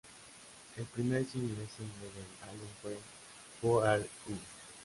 El primer single single del álbum fue "Who Are U?".